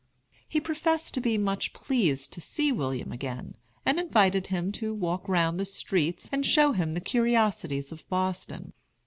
He professed to be much pleased to see William again, and invited him to walk round the streets and show him the curiosities of Boston.